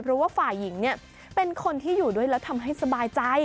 เพราะว่าฝ่ายหญิงเนี่ยเป็นคนที่อยู่ด้วยแล้วทำให้สบายใจ